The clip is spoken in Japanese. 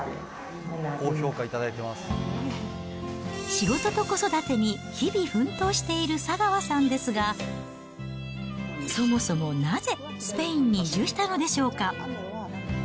仕事と子育てに日々奮闘している佐川さんですが、そもそもなぜスペインに移住したのでしょうか。